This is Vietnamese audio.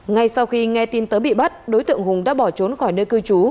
ngay sau khi nghe tin tới bị bắt đối tượng hùng đã bỏ trốn khỏi nơi cư trú